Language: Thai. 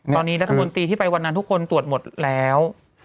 ตอนนี้รัฐมนตรีที่ไปวันนั้นทุกคนตรวจหมดแล้ว